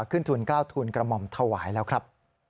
ขึ้นทุน๙ทุนกระหม่อมถวายแล้วครับ